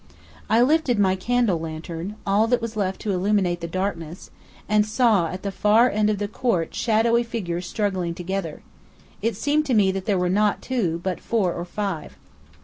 I lifted my candle lantern all that was left to illumine the darkness, and saw at the far end of the court shadowy figures struggling together. It seemed to me that there were not two, but four or five.